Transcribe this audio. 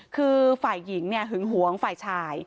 คือฝ่ายหญิงหึงหวงฝ่ายชาย